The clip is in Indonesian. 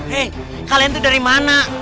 hei kalian itu dari mana